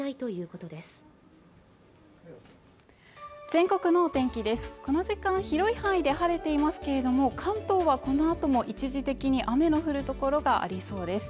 この時間広い範囲で晴れていますけれども関東はこのあとも一時的に雨の降る所がありそうです